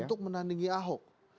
untuk menandingi ahok